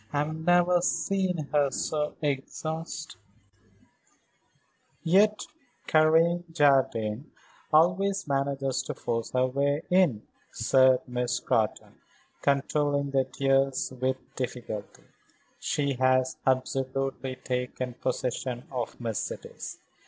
I have never seen her so exhausted." "Yet Karen Jardine always manages to force her way in," said Miss Scrotton, controlling the tears with difficulty. "She has absolutely taken possession of Mercedes.